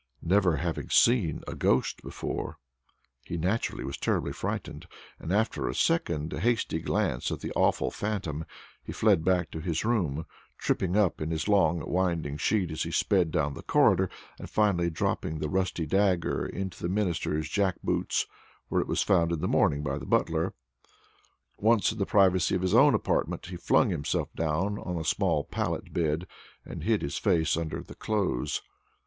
Never having seen a ghost before, he naturally was terribly frightened, and, after a second hasty glance at the awful phantom, he fled back to his room, tripping up in his long winding sheet as he sped down the corridor, and finally dropping the rusty dagger into the Minister's jack boots, where it was found in the morning by the butler. Once in the privacy of his own apartment, he flung himself down on a small pallet bed, and hid his face under the clothes.